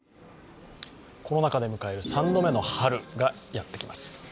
コロナ禍で迎える３度目の春がやってきます。